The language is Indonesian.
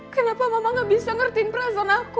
kenapa mama gak bisa ngertiin perasaan aku